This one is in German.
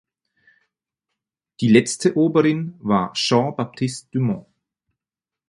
Die letzte Oberin war Jean Baptiste Dumont.